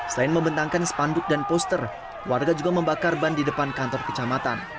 selain membentangkan spanduk dan poster warga juga membakar ban di depan kantor kecamatan